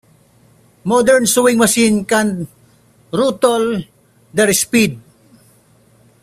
Modern sewing machines can throttle their speed.